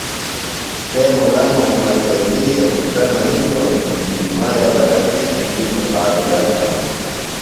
تھےۡ مُلا محمد سیدی سےۡ پُترہ منِیتوۡ ہِنوۡ کیۡ مہ ڑے بدخشیۡ سنگیۡ مقابلہ تھانوۡ